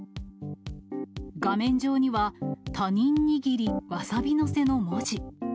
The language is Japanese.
画面上には、他人握りわさび乗せの文字。